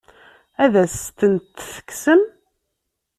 Ad as-tent-tekksem?